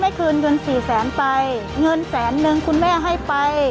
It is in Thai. คืนเงินสี่แสนไปเงินแสนนึงคุณแม่ให้ไป